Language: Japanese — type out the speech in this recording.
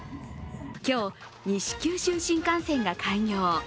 今日、西九州新幹線が開業。